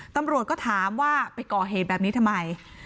ตำรวจก็ถามว่าไปก่อเหตุแบบนี้ทำไม